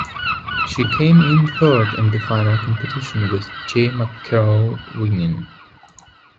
She came in third in the final competition, with Jay McCarroll winning.